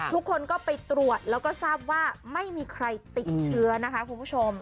ทุกคนก็ไปตรวจแล้วก็ทราบว่าไม่มีใครติดเชื้อนะคะคุณผู้ชม